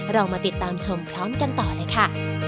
เรามาติดตามชมพร้อมกันต่อเลยค่ะ